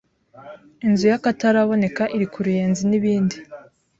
inzu y’akataraboneka iri ku Ruyenzi n’ibindi